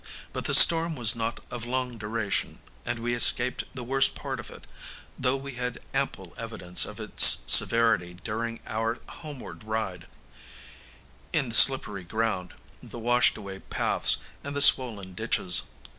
But the storm was not of long duration, and we escaped the worst part of it, though we had ample evidence of its severity during our homeward ride, in the slippery ground, the washed away paths, and the swollen ditches.